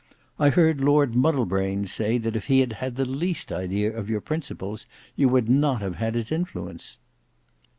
"I heard Lord Muddlebrains say that if he had had the least idea of your principles, you would not have had his influence."